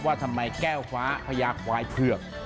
ว่าทำไมแก้วฟ้าพญาควายเผือก